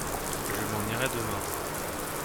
Je m’en irai demain.